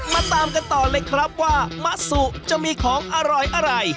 มาตามกันต่อเลยครับว่ามะสุจะมีของอร่อยอะไร